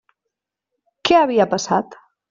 Què havia passat?